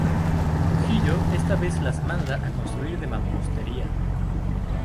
Trujillo esta vez las manda a construir de mampostería.